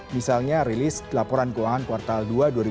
misalnya rilis laporan keuangan kuartal dua dua ribu dua puluh